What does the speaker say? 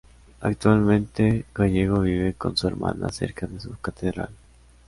Actualmente, Gallego vive con su hermana cerca de su catedral.